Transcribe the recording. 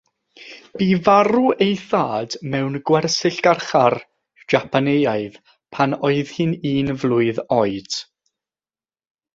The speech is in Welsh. Bu farw ei thad mewn gwersyll-garchar Japaneaidd pan oedd hi'n un flwydd oed.